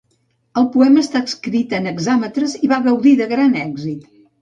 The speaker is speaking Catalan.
El poema està escrit en hexàmetres i va gaudir de gran èxit.